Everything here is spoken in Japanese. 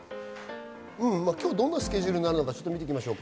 今日どんなスケジュールになるのか見ていきましょう。